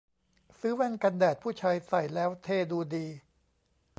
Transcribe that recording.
ซื้อแว่นกันแดดผู้ชายใส่แล้วเท่ดูดี